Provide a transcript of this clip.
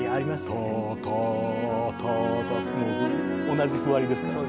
同じ譜割りですからね。